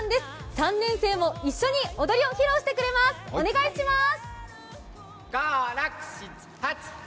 ３年生も一緒に踊りを披露してくれます、お願いします。